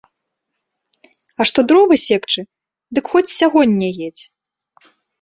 А што дровы секчы, дык хоць сягоння едзь.